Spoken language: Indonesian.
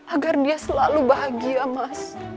agar dia selalu bahagia mas